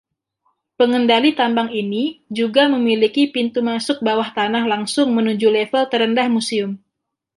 Pengendali tambang ini juga memiliki pintu masuk bawah tanah langsung menuju level terendah museum.